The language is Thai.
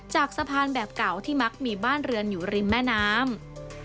จากสะพานแบบเก่าที่มักมีบ้านเรือนอยู่ริมแม่น้ำ